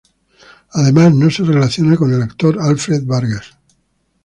Además no se relaciona con el actor Alfred Vargas.